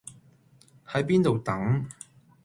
喺邊度等